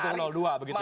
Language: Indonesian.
mana ada urusan tppu